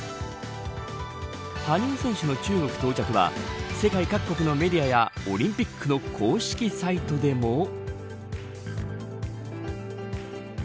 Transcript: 羽生選手の中国到着は世界各国のメディアやオリンピックの公式サイトでも。